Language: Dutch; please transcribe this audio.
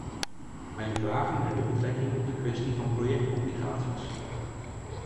Mijn vragen hebben betrekking op de kwestie van de projectobligaties.